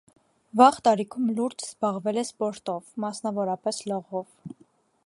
Վաղ տարիքում լուրջ զբաղվել է սպորտով՝ մասնավորապես լողով։